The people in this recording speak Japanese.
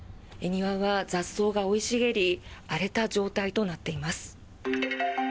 庭は雑草が生い茂り荒れた状態となっています。